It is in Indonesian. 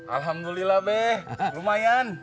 alhamdulillah be lumayan